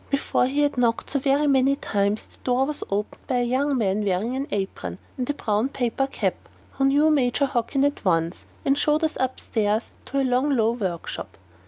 Before he had knocked so very many times, the door was opened by a young man wearing an apron and a brown paper cap, who knew Major Hockin at once, and showed us up stairs to a long low workshop.